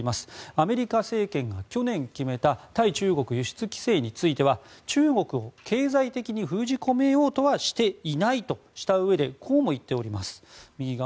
アメリカ政権が去年決めた対中国輸出規制については中国を経済的に封じ込めようとはしていないとしたうえでこうも言っております。